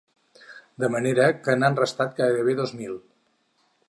De manera que n’han restats gairebé dos mil.